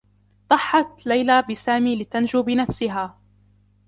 ضحّت ليلى بسامي لتنجو بنفسها.